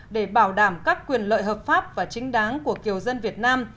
để bảo đảm các quyền lợi hợp pháp và chính đáng của kiều dân việt nam